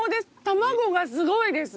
卵がすごいです。